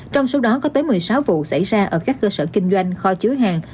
trong số đó có tới một mươi sáu vụ xảy ra ở các cơ sở kinh doanh kho chứa hàng